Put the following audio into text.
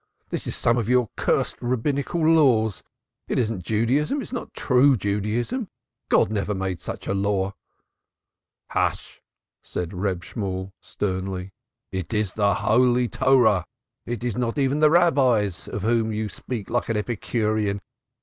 "This is some of your cursed Rabbinical laws, it is not Judaism, it is not true Judaism. God never made any such law." "Hush!" said Reb Shemuel sternly. "It is the holy Torah. It is not even the Rabbis, of whom you speak like an Epicurean.